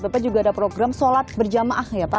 bapak juga ada program sholat berjamaah ya pak